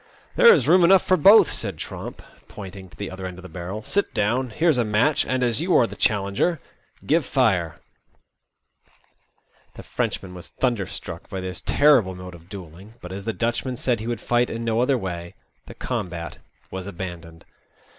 There is room enough for both," said Tromp, pointing to the other end of the barrel. Sit down. Here's a match, and, as you are the challenger, give fire." The Frenchman was thunderstruck by this terrible mode of duelling, but, as the Dutchman said he would fight in no other way, the combat was abandoned.